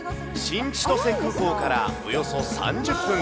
新千歳空港からおよそ３０分。